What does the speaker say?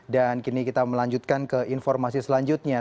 dan kini kita melanjutkan ke informasi selanjutnya